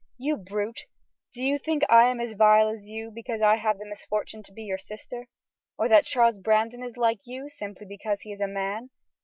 "You brute! Do you think I am as vile as you because I have the misfortune to be your sister, or that Charles Brandon is like you simply because he is a man?"